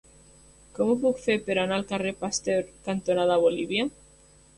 Com ho puc fer per anar al carrer Pasteur cantonada Bolívia?